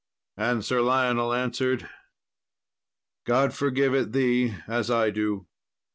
And Sir Lionel answered, "God forgive it thee, as I do."